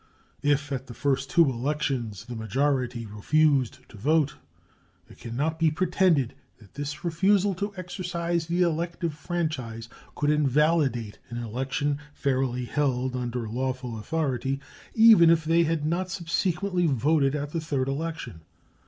If at the first two elections the majority refused to vote, it can not be pretended that this refusal to exercise the elective franchise could invalidate an election fairly held under lawful authority, even if they had not subsequently voted at the third election.